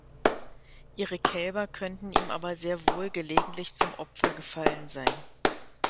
Ihre Kälber könnten ihm aber sehr wohl gelegentlich zum Opfer gefallen sein.